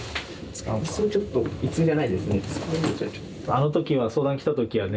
あの時は相談来た時はね